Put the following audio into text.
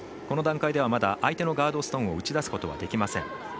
この段階ではまだ相手のガードストーンを打ち出すことはできません。